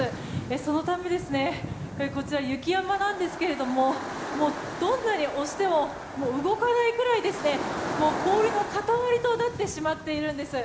そのためこちら雪山なんですけどもどんなに押しても動かないくらい氷の塊となってしまっているんです。